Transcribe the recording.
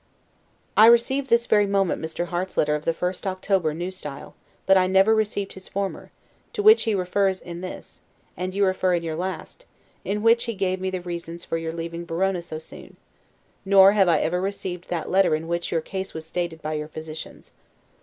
I receive this very moment Mr. Harte's letter of the 1st October, N. S., but I never received his former, to which he refers in this, and you refer in your last; in which he gave me the reasons for your leaving Verona so soon; nor have I ever received that letter in which your case was stated by your physicians.